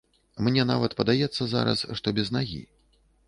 Мне нават падаецца зараз, што без нагі.